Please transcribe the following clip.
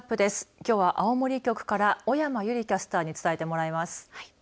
きょうは青森局から小山悠里キャスターに伝えてもらいます。